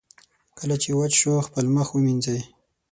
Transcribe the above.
کله چې وچ شو، خپل مخ ومینځئ.